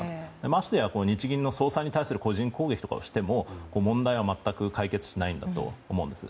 ましては日銀の総裁に対する個人攻撃とかをしても問題は全く解決しないんだと思います。